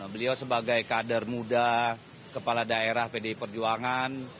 beliau sebagai kader muda kepala daerah pdi perjuangan